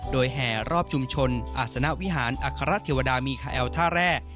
โดยแห่รอบชุมชนอาศนวิหารอัครเทวดามีคาแอลท่าแร่